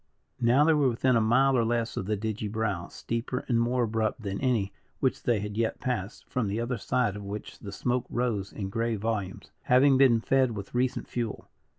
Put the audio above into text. Now they were within a mile or less of the digy brow, steeper and more abrupt than any which they had yet passed, from the other side of which the smoke rose in grey volumes, having been fed with recent fuel.